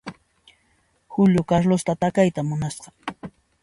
Julio Carlosta takayta munasqa.